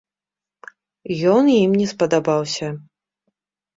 Ён ім не спадабаўся.